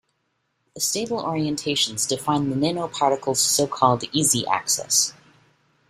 The stable orientations define the nanoparticle's so called "easy axis".